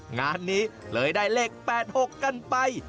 งานนี้เลยได้เลข๘๖กันไป